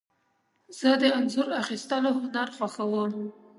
زه د انځور اخیستلو هنر خوښوم.